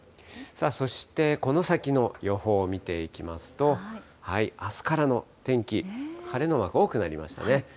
そして、この先の予報見ていきますと、あすからの天気、晴れのマーク、多くなりましたね。